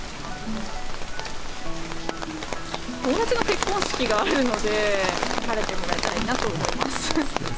友達の結婚式があるので、晴れてもらえたらいいなと思います。